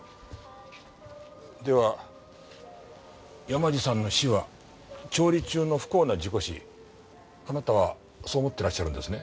では山路さんの死は調理中の不幸な事故死あなたはそう思ってらっしゃるんですね？